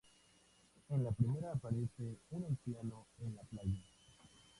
En la primera aparece un anciano en una playa.